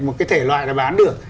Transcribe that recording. một cái thể loại này bán được